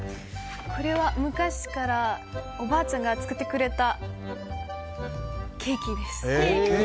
これは昔からおばあちゃんが作ってくれたケーキです。